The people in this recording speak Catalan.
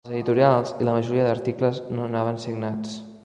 Els editorials i la majoria d'articles no anaven signats.